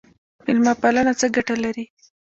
میلمه پالنه څه ګټه لري؟